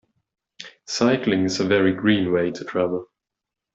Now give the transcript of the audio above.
Cycling is a very green way to travel